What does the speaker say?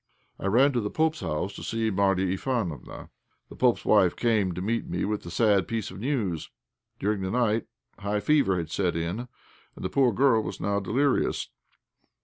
I ran to the pope's house to see Marya Ivánofna. The pope's wife came to meet me with a sad piece of news. During the night high fever had set in, and the poor girl was now delirious.